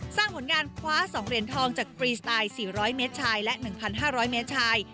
สร้างผลงานคว้าสองเหรียญทองจากฟรีสไตล์สี่ร้อยเมตรชัยและหนึ่งพันห้าร้อยเมตรชัย